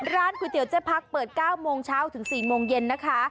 ก๋วยเตี๋ยเจ๊พักเปิด๙โมงเช้าถึง๔โมงเย็นนะคะ